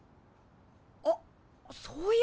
あっそういえば！